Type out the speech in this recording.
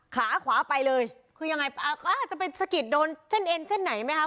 ขาขวาไปเลยคือยังไงอ่าจะไปสะกิดโดนเส้นเอ็นเส้นไหนไหมคะ